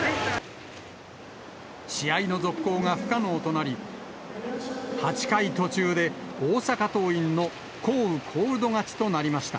試合の続行が不可能となり、８回途中で大阪桐蔭の降雨コールド勝ちとなりました。